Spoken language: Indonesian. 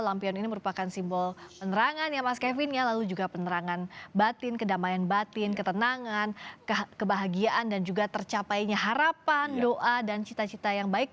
lampion ini merupakan simbol penerangan ya mas kevin ya lalu juga penerangan batin kedamaian batin ketenangan kebahagiaan dan juga tercapainya harapan doa dan cita cita yang baik